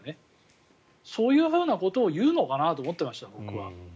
そういうふうなことを言うのかなと思っていました。